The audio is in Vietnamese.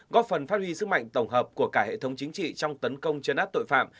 góp phần phát huy sức mạnh tổng hợp của cả hệ thống chính trị trong tấn công chấn áp tội phạm